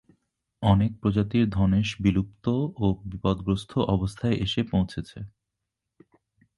অনেক প্রজাতির ধনেশ বিলুপ্ত ও বিপদগ্রস্ত অবস্থায় এসে পৌঁছেছে।